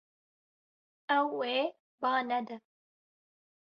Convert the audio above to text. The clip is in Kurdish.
Ew ê ba nede.